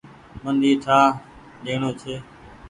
اي من ٺآن ڏيڻو ڇي۔